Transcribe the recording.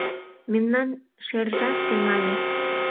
Мемнан шержат темале.